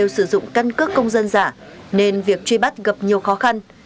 sử dụng căn cước công dân giả nên việc truy bắt gặp nhiều khó khăn